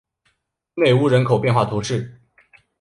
内乌人口变化图示